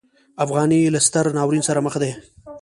افغانۍ له ستر ناورین سره مخ ده.